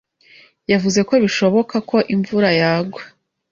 Yavuze ko bishoboka ko imvura yagwa.